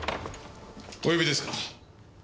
お呼びですか？